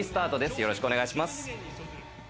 よろしくお願いします。